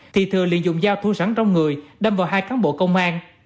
thì thừa liên dụng dao thu sẵn trong người đâm vào hai cán bộ công an